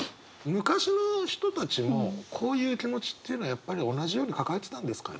昔の人たちもこういう気持ちっていうのはやっぱり同じように抱えてたんですかね？